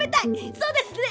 そうですね。